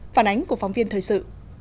phản ánh của phóng viên thời sự